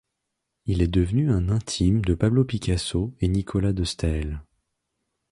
Il est devenu un intime de Pablo Picasso et Nicolas de Staël.